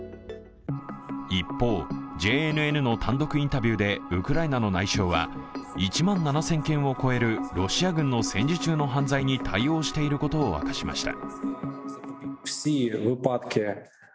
一方、ＪＮＮの単独インタビューでウクライナの内相は１万７０００件を超えるロシア軍の戦時中の犯罪に対応していることを明かしました。